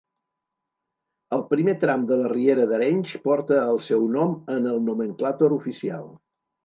El primer tram de la Riera d'Arenys porta el seu nom en el nomenclàtor oficial.